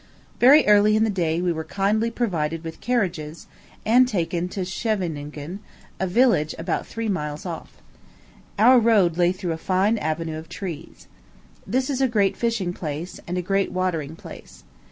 Very early in the day we were kindly provided with carriages, and taken to Scheveningen, a village about three miles off. Our road lay through a fine avenue of trees. This is a great fishing place, and a great watering place.